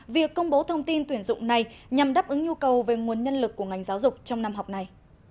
việc công bố thông tin tuyển dụng này nhằm đáp ứng nhu cầu về nguồn nhân lực của ngành giáo dục trong năm học này